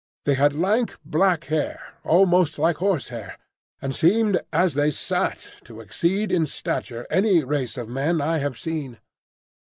They had lank black hair, almost like horsehair, and seemed as they sat to exceed in stature any race of men I have seen.